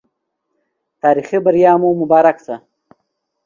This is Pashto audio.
تاريخي بریا مو مبارک سه